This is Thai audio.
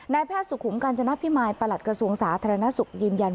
แพทย์สุขุมกาญจนพิมายประหลัดกระทรวงสาธารณสุขยืนยัน